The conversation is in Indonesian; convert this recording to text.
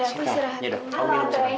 ya udah aku minum